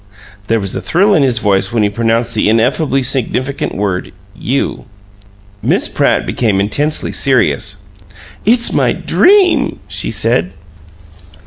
(There was a thrill in his voice when he pronounced the ineffably significant word "you.") Miss Pratt became intensely serious. "It's my DREAM!" she said.